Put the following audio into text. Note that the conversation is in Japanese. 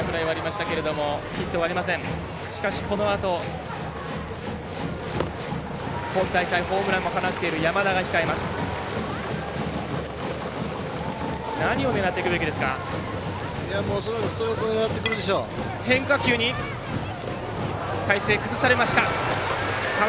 しかし、このあと今大会ホームランも放っている山田が控えます。